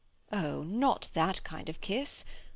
"Oh, not that kind of kiss.